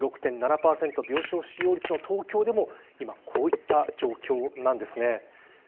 ３６．７％病床使用率の東京でも今、こういった状況なんですね。